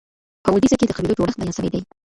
په اودیسه کي د قبیلو جوړښت بیان سوی دی.